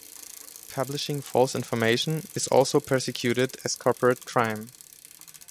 Publishing false information is also persecuted as corporate crime.